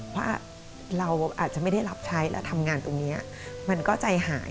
ว่าเราอาจจะไม่ได้รับใช้และทำงานตรงนี้มันก็ใจหาย